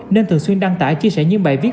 nên thường xuyên đăng tải chia sẻ những bài viết